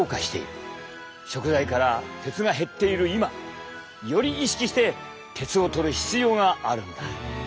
食材から鉄が減っている今より意識して鉄をとる必要があるんだ。